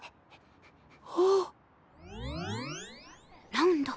ラウンド。